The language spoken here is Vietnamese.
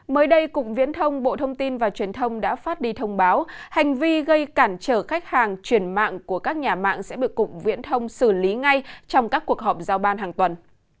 mới đây cục viễn thông bộ thông tin và truyền thông đã phát đi thông báo hành vi gây cản trở khách hàng chuyển mạng của các nhà mạng sẽ được cục viễn thông xử lý ngay trong các cuộc họp giao ban hàng tuần